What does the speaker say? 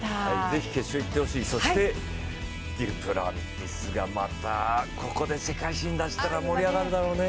ぜひ決勝いってほしい、そしてデュプランティスがまた、ここで世界新を出したら盛り上がるだろうね。